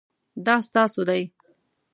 دا ستاسو دی؟